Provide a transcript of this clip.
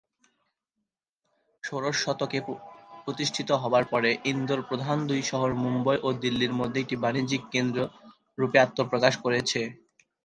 ষোড়শ শতকে প্রতিষ্ঠিত হবার পরে ইন্দোর প্রধান দুই শহর মুম্বই এবং দিল্লির মধ্যে একটি বাণিজ্যিক কেন্দ্র রূপে আত্মপ্রকাশ করেছে।